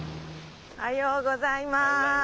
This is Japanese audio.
おはようございます！